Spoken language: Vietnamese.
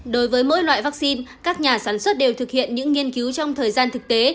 đối với mỗi loại vaccine các nhà sản xuất đều thực hiện những nghiên cứu trong thời gian thực tế